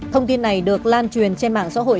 thông tin này được lan truyền trên mạng xã hội